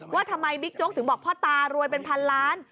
ว่าทำไมบิ๊กโจ๊กถึงบอกพ่อตารวยเป็นพันล้าน